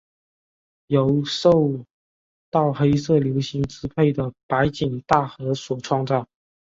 由受到黑色流星支配的白井大和所创造。